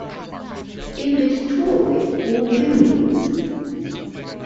In Destroy All Humans!